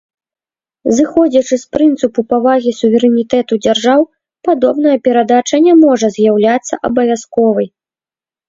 Зыходзячы з прынцыпу павагі суверэнітэту дзяржаў, падобная перадача не можа з'яўляцца абавязковай.